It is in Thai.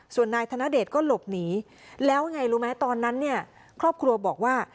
ส่วนนายธนเดชก็หลบหนีแล้วไงรู้ไหมตอนนั้นเนี่ยครอบครัวบอกว่า